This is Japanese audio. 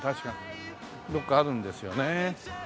どこかあるんですよねえ。